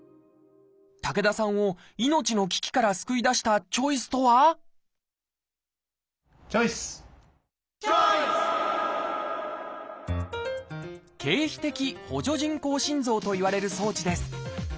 竹田さんを命の危機から救い出したチョイスとはチョイス！といわれる装置です。